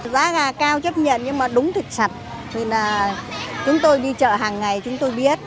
giá gà cao chấp nhận nhưng đúng thịt sạch chúng tôi đi chợ hàng ngày chúng tôi biết